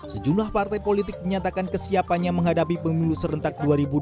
sejumlah partai politik menyatakan kesiapannya menghadapi pemilu serentak dua ribu dua puluh